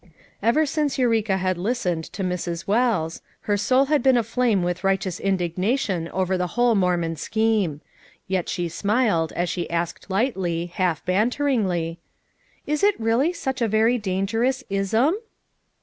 Ever since Eureka had listened to Mrs. Wells, her soul had been aflame with righteous indignation over the whole Mormon scheme; yet she smiled as she asked lightly, half banter ingly. "Is it really such a very dangerous 'ism!"